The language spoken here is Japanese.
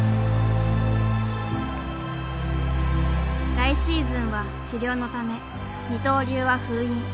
来シーズンは治療のため二刀流は封印。